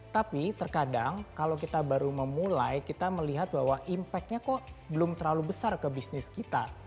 tapi terkadang kalau kita baru memulai kita melihat bahwa impactnya kok belum terlalu besar ke bisnis kita